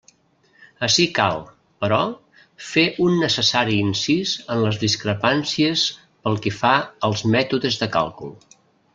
Ací cal, però, fer un necessari incís en les discrepàncies pel que fa als mètodes de càlcul.